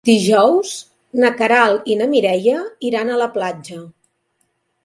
Dijous na Queralt i na Mireia iran a la platja.